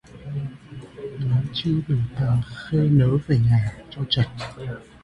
Lấy chi đồ tàng khê nớ về nhà cho chật